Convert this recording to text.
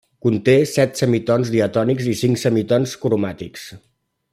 Conté set semitons diatònics i cinc semitons cromàtics.